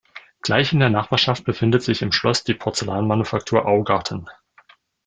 Gleich in der Nachbarschaft befindet sich im Schloss die Porzellanmanufaktur Augarten.